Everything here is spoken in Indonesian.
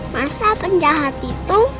masa penjahat itu